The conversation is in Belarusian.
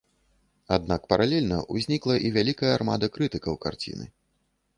Аднак паралельна ўзнікла і вялікая армада крытыкаў карціны.